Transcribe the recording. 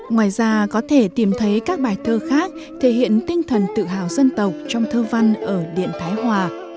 ngoài ra có thể tìm thấy các bài thơ khác thể hiện tinh thần tự hào dân tộc trong thơ văn ở điện thái hòa